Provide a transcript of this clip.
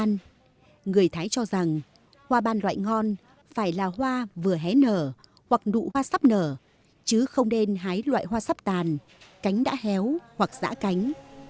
nộm hoa ban loại ngon phải là hoa vừa hé nở hoặc nụ hoa sắp nở chứ không nên hái loại hoa sắp tàn cánh đã héo hoặc giã cánh